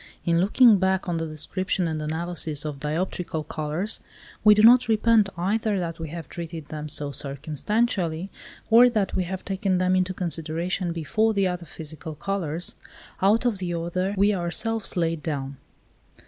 In looking back on the description and analysis of dioptrical colours, we do not repent either that we have treated them so circumstantially, or that we have taken them into consideration before the other physical colours, out of the order we ourselves laid down.